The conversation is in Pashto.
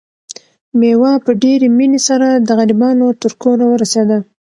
مېوه په ډېرې مینې سره د غریبانو تر کوره ورسېده.